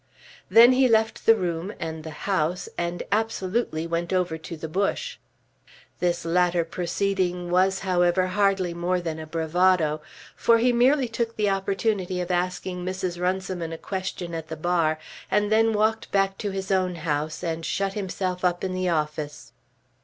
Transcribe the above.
Then he left the room and the house, and absolutely went over to the Bush. This latter proceeding was, however, hardly more than a bravado; for he merely took the opportunity of asking Mrs. Runciman a question at the bar, and then walked back to his own house, and shut himself up in the office.